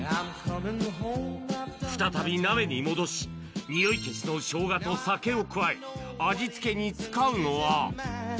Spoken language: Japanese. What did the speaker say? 再び鍋に戻し、におい消しのショウガと酒を加え、味付けに使うのは。